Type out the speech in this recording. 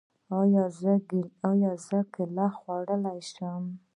ایا زه کیله خوړلی شم؟